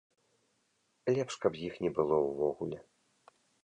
Лепш каб іх не было ўвогуле.